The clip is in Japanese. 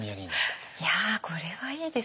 いやこれはいいですね。